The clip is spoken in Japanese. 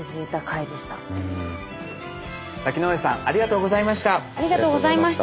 瀧ノ上さんありがとうございました。